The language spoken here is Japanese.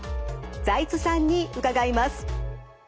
財津さんに伺います。